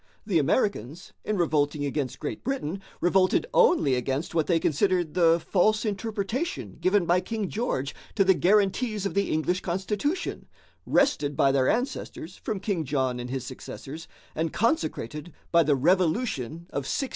The Americans, in revolting against Great Britain, revolted only against what they considered the false interpretation given by King George to the guarantees of the English constitution, wrested by their ancestors from King John and his successors and consecrated by the Revolution of 1688.